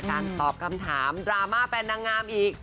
การตอบคำถามดราม่าเปล่านักงามอีก